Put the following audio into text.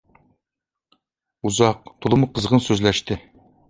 ئۇزاق، تولىمۇ قىزغىن سۆزلەشتى.